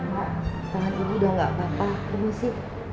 ma tangan ibu udah gak apa apa permisi